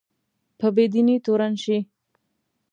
په بې دینۍ تورن شي